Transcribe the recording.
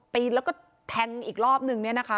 ปีนแล้วก็แทงอีกรอบนึงเนี่ยนะคะ